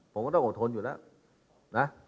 ผมก็ต้องอดทนอยู่แล้วนะ